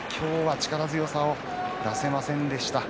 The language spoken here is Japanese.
力強さを出せませんでした。